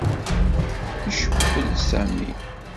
Icewwel Sami.